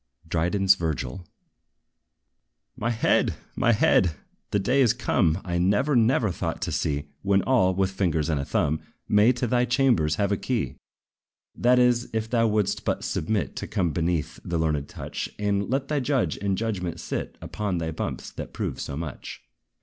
DRYDEN'S VIRGIL. My head! my head! the day is come I never, never thought to see; When all, with fingers and a thumb, May to thy chambers have a key! That is, if thou wouldst but submit To come beneath the learned touch, And let the judge in judgment sit Upon thy bumps, that prove so much.